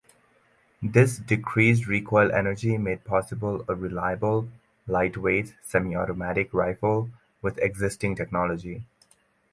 This decreased recoil energy made possible a reliable, lightweight semi-automatic rifle with existing technology.